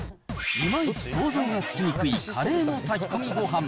いまいち想像がつきにくいカレーの炊き込みごはん。